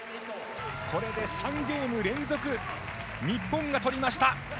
これで３ゲーム連続日本が取りました！